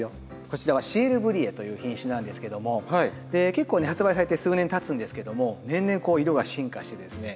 こちらは‘シエルブリエ’という品種なんですけども結構ね発売されて数年たつんですけども年々こう色が進化してですね。